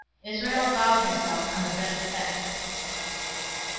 Israel bowed himself on the bed's head.